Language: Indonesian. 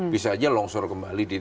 bisa aja longsor kembali